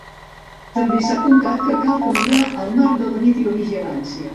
També s'ha apuntat que cal canviar el marc de videovigilància.